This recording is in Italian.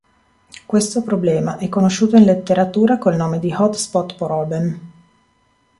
Questo problema è conosciuto in letteratura col nome di hot-spot problem.